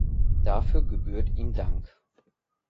Dafür gebührt ihm Dank.